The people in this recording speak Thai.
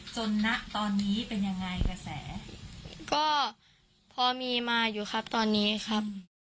ณตอนนี้เป็นยังไงกระแสก็พอมีมาอยู่ครับตอนนี้ครับ